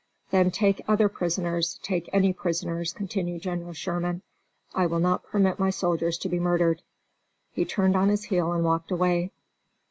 "Then take other prisoners, take any prisoners," continued General Sherman. "I will not permit my soldiers to be murdered." He turned on his heel and walked away.